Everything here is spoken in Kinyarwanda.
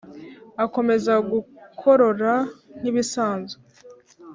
akomeza gukorora nkibisanzwe!.